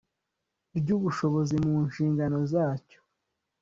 ry ubushobozi mu nshingano zacyo